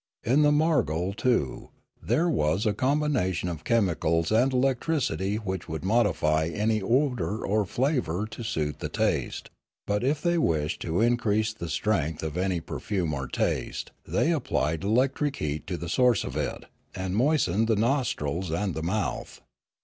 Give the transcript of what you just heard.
In the margol, too, there was a combination of chemicals and electricity which would modify any odour or flavour to suit the taste; but if they wished to increase the strength of any perfume or taste, they applied electric heat to the source of it, and moistened the nostrils and the mouth.